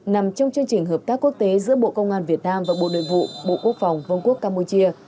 nằm trong chương trình hợp tác quốc tế giữa bộ công an việt nam và bộ nội vụ bộ quốc phòng vương quốc campuchia